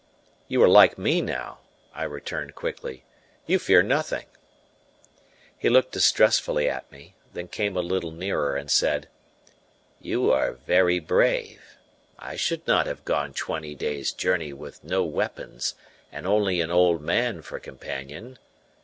"You are like me now," I returned quickly; "you fear nothing." He looked distrustfully at me, then came a little nearer and said: "You are very brave. I should not have gone twenty days' journey with no weapons and only an old man for companion.